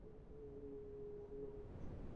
উনি মানে আপনার স্বামী।